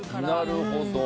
なるほど。